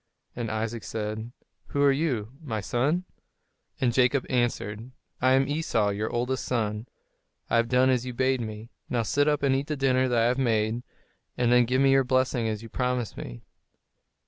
And Isaac said, "Who are you, my son?" And Jacob answered, "I am Esau, your oldest son; I have done as you bade me; now sit up and eat the dinner that I have made, and then give me your blessing as you promised me."